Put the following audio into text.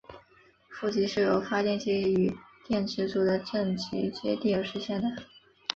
负极是由发电机与电池组的正极接地而实现的。